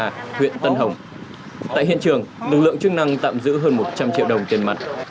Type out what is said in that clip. tại huyện tân hồng lực lượng chức năng tạm giữ hơn một trăm linh triệu đồng tiền mặt